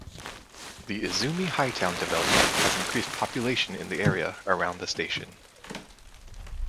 The Izumi Hightown development has increased population in the area around the station.